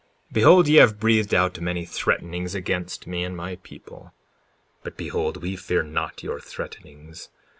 54:19 Behold, ye have breathed out many threatenings against me and my people; but behold, we fear not your threatenings.